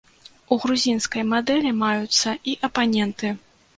У грузінскай мадэлі маюцца і апаненты.